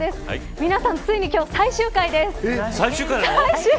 皆さんついに今日、最終回です。